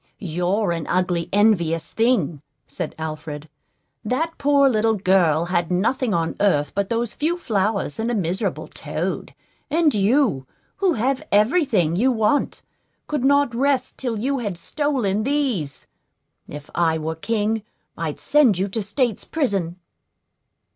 "You're an ugly, envious thing," said Alfred. "That poor little girl had nothing on earth but those few flowers and a miserable toad; and you, who have every thing you want, could not rest till you had stolen these. If I were king, I'd send you to state's prison."